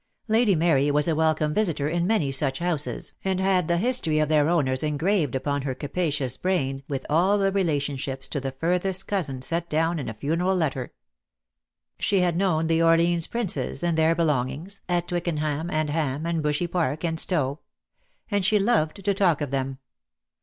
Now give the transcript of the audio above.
Lady Mary was a welcome visitor in many such houses, and had the history of their owners engraved upon her capacious brain, with all the relationships, to the furthest cousin, set down as in a funeral letter. She had known the Orleans Princes and their belongings, at Twickenham and Ham, and Bushey Park, and Stowe; and she loved to talk of them.